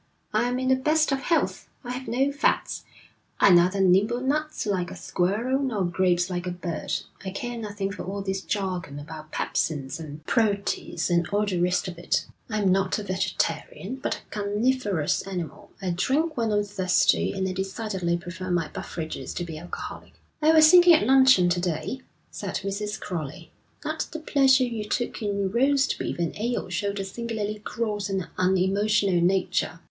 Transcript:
I'm in the best of health. I have no fads. I neither nibble nuts like a squirrel, nor grapes like a bird I care nothing for all this jargon about pepsins and proteids and all the rest of it. I'm not a vegetarian, but a carnivorous animal; I drink when I'm thirsty, and I decidedly prefer my beverages to be alcoholic.' 'I was thinking at luncheon to day,' said Mrs. Crowley, 'that the pleasure you took in roast beef and ale showed a singularly gross and unemotional nature.'